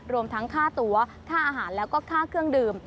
รวมทั้งค่าตัวค่าอาหารแล้วก็ค่าเครื่องดื่ม